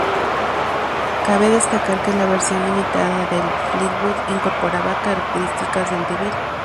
Cabe destacar que la versión limitada del Fleetwood incorporaba características del DeVille.